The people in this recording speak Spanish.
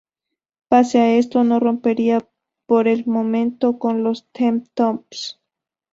Pese a esto, no rompería por el momento con los Teen Tops.